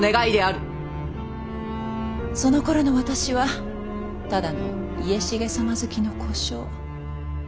そのころの私はただの家重様づきの小姓。